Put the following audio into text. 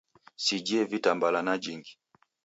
Sijhie vitambala najhingi